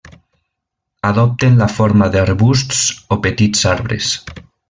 Adopten la forma d'arbusts o petits arbres.